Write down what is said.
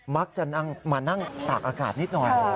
มักจะมานั่งตากอากาศนิดหน่อย